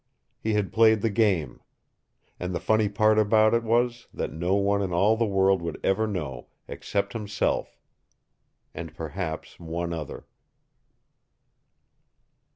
He had played the game. And the funny part about it was that no one in all the world would ever know, except himself and perhaps one other.